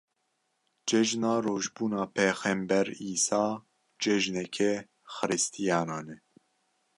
Cejina Rojbûna Pêxember Îsa cejineke xiristiyanan e.